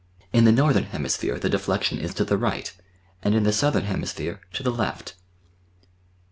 In the Northern Hemisphere the deflection is to the right, and in the Southern Hemisphere to the left.